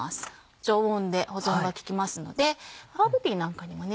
常温で保存が利きますのでハーブティーなんかにもね。